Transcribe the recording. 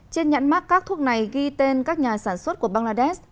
trên nhãn mắc các thuốc này ghi tên các nhà sản xuất của bangladesh